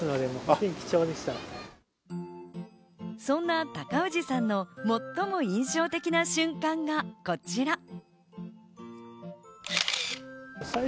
そんな高氏さんの最も印象的な瞬間がこちら。